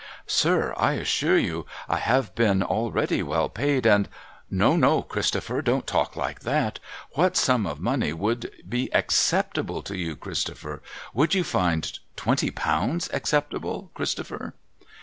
' Sir, I assure you, I have been already well paid, and '* No, no, Christopher ! Don't talk like that ! ^^llat sum of money would be acceptable to you, Christopher ? Would you find twenty pounds acceptable, Christopher